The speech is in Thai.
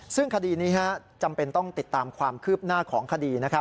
ซึ่งคดีนี้จำเป็นต้องติดตามความคืบหน้าของคดี